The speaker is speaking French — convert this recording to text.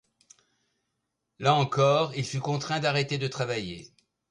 Là encore, il fut contraint d'arrêter de travailler.